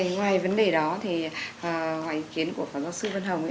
ngoài vấn đề đó thì ngoài ý kiến của phó giáo sư vân hồng